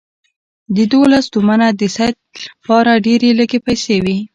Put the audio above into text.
دوولس تومنه د سید لپاره ډېرې لږې پیسې وې.